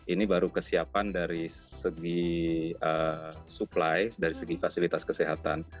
ini baru kesiapan dari segi supply dari segi fasilitas kesehatan